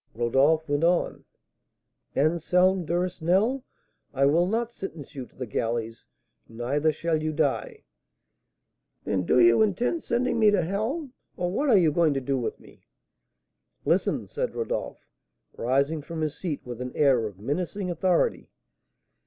Rodolph went on: "Anselm Duresnel, I will not sentence you to the galleys, neither shall you die " "Then do you intend sending me to hell? or what are you going to do with me?" "Listen!" said Rodolph, rising from his seat with an air of menacing authority.